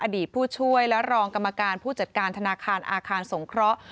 ผู้ช่วยและรองกรรมการผู้จัดการธนาคารอาคารสงเคราะห์